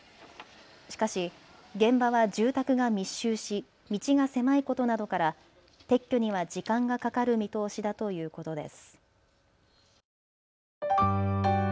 しかし、現場は住宅が密集し道が狭いことなどから撤去には時間がかかる見通しだということです。